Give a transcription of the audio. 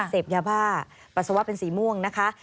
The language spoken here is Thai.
เสพยาบ้าปัสสาวะเป็นสีม่วงนะคะ